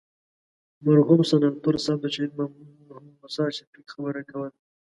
مرحوم ستانور صاحب د شهید محمد موسی شفیق خبره کوله.